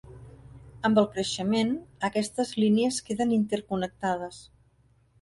Amb el creixement, aquestes línies queden interconnectades.